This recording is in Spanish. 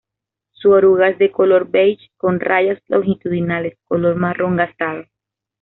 Su oruga es de color beige con rayas longitudinales color marrón gastado.